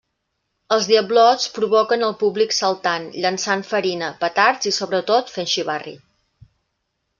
Els diablots provoquen el públic saltant, llençant farina, petards i sobretot, fent xivarri.